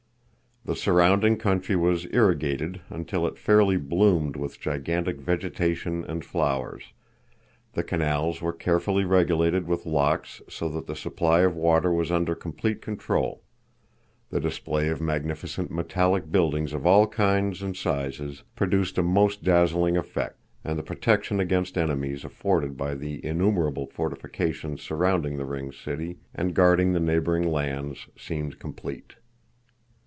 The surrounding country was irrigated until it fairly bloomed with gigantic vegetation and flowers; the canals were carefully regulated with locks so that the supply of water was under complete control; the display of magnificent metallic buildings of all kinds and sizes produced a most dazzling effect, and the protection against enemies afforded by the innumerable fortifications surrounding the ringed city, and guarding the neighboring lands, seemed complete.